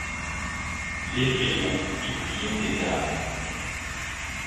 L'effrayant tourbillon des âmes.